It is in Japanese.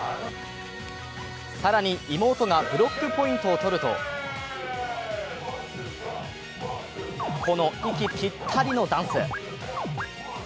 更に、妹がブロックポイントを取るとこの息ぴったりのダンス。